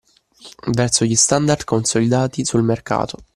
Verso gli standard consolidati sul mercato.